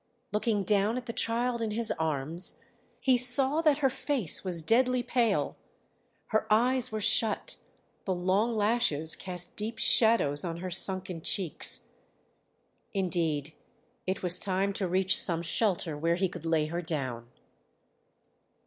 Looking down at the child in his arms, he saw that her face was deadly pale, her eyes were shut, the long lashes cast deep shadows on her sunken cheeks. Indeed it was time to reach some shelter where he could lay her down.